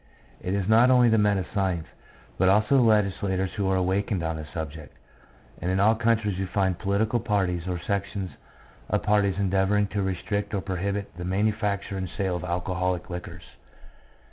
It is not only the men of science, but also the legislators who are awakened on this subject, and in all countries we find political parties or sections of parties endeavouring to restrict or prohibit the manufacture and sale of alcoholic liquors.